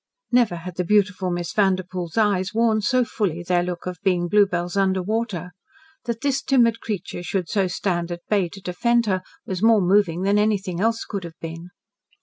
Never had the beautiful Miss Vanderpoel's eyes worn so fully their look of being bluebells under water. That this timid creature should so stand at bay to defend her was more moving than anything else could have been.